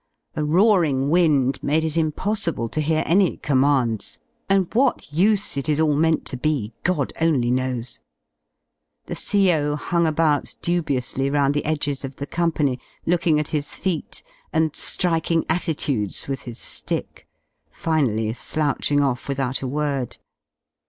A roaring wind made it impos sible to hear any commands, and what use it is all meant to be, God only knows. The CO. hung about dubiously round the edges of the company, looking at his feet and ^riking attitudes with his slick, finally slouching off without a word.